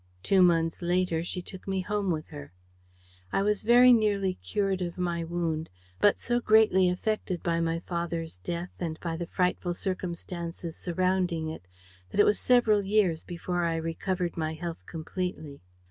Two months later she took me home with her. I was very nearly cured of my wound, but so greatly affected by my father's death and by the frightful circumstances surrounding it that it was several years before I recovered my health completely.